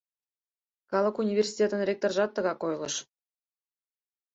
Калык университетын ректоржат тыгак ойлыш.